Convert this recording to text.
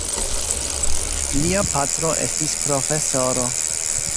Lia patro estis profesoro.